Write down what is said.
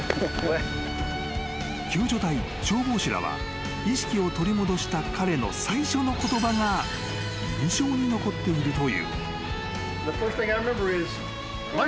［救助隊消防士らは意識を取り戻した彼の最初の言葉が印象に残っているという］